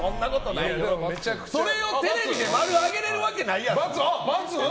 それをテレビで〇上げられるわけないやろ。